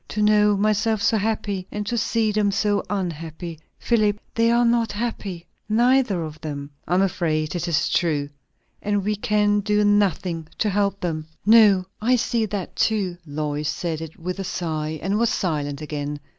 "To know myself so happy, and to see them so unhappy. Philip, they are not happy, neither one of them!" "I am afraid it is true. And we can do nothing to help them." "No, I see that too." Lois said it with a sigh, and was silent again.